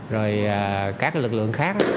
rồi các lực lượng khác